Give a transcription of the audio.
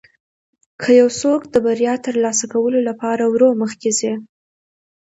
که یو څوک د بریا ترلاسه کولو لپاره ورو مخکې ځي.